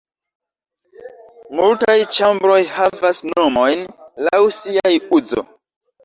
Multaj ĉambroj havas nomojn laŭ siaj uzo.